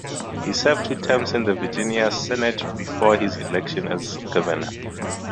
He served two terms in the Virginia Senate before his election as governor.